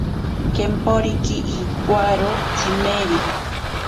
Kemporiki iwaro tsimeri.